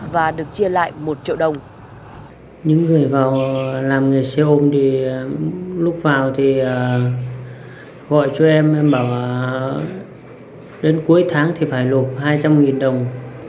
và được chia lại một triệu đồng